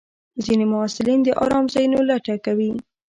ځینې محصلین د ارام ځایونو لټه کوي.